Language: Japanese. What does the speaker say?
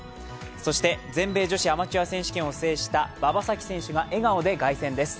そして、全米女子アマチュア選手権を制した馬場咲希選手が笑顔で凱旋です。